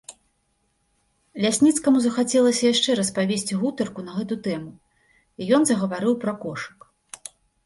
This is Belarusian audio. Лясніцкаму захацелася яшчэ раз павесці гутарку на гэту тэму, і ён загаварыў пра кошык.